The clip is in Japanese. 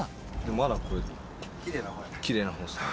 まだこれ、きれいなほうですね。